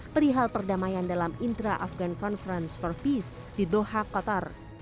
perihal perdamaian dalam intra afgan conference for peace di doha qatar